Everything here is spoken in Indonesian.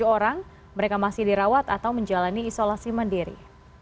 tujuh orang mereka masih dirawat atau menjalani isolasi mandiri